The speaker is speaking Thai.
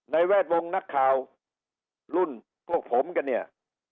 แวดวงนักข่าวรุ่นพวกผมกันเนี่ย